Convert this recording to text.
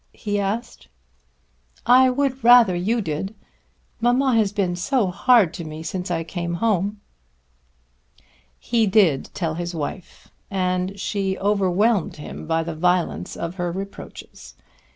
he asked. "I would rather you did. Mamma has been so hard to me since I came home." He did tell his wife and she overwhelmed him by the violence of her reproaches.